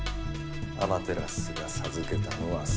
アマテラスが授けたのは「三種の神器」。